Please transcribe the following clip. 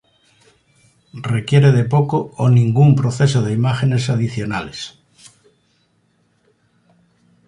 Requiere de poco o ningún proceso de imágenes adicionales.